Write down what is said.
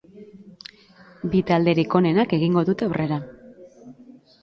Bi talderik onenak egingo dute aurrera.